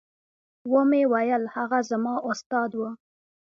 ومې ويل هغه زما استاد و.